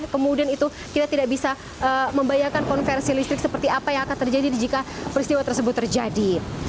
kemudian itu kita tidak bisa membayangkan konversi listrik seperti apa yang akan terjadi jika peristiwa tersebut terjadi